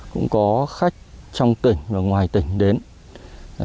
cũng có khách trong tỉnh và ngoài tỉnh đến